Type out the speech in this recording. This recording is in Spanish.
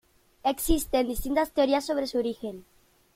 Existen distintas teorías sobre su origen.